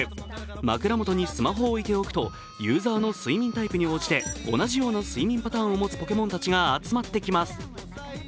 枕元にスマホを置いておくとユーザーの睡眠タイプに応じて同じような睡眠パターンを持つポケモンたちが集まってきます。